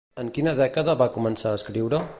En quina dècada va començar a escriure?